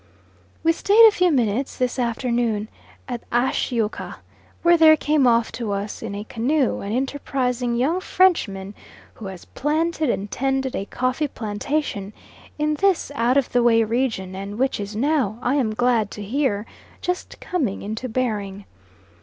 We stayed a few minutes this afternoon at Ashchyouka, where there came off to us in a canoe an enterprising young Frenchman who has planted and tended a coffee plantation in this out of the way region, and which is now, I am glad to hear, just coming into bearing.